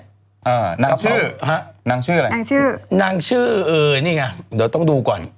นางชื่อพระนางชื่ออะไรนางชื่อนางชื่อเออนี่ไงเดี๋ยวต้องดูก่อน